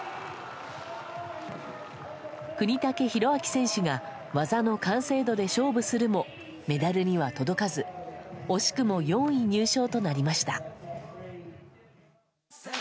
國武大晃選手が技の完成度で勝負するもメダルには届かず惜しくも４位入賞となりました。